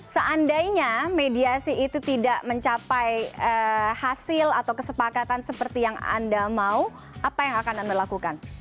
seandainya mediasi itu tidak mencapai hasil atau kesepakatan seperti yang anda mau apa yang akan anda lakukan